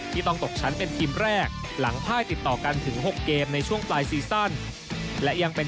ที่ต้องตกชั้นเป็นทีมแรกหลังภายติดต่อกันถึง๖เกมในช่วงปลายซีสัน